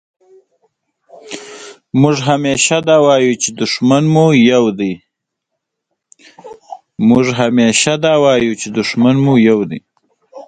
ایا هغه ازاد ایران به وویني؟